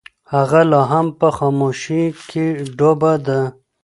هغه لا هم په خاموشۍ کې ډوبه ده.